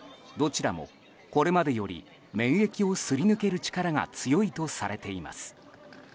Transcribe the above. どちらも、これまでより免疫をすり抜ける力が強いとされています。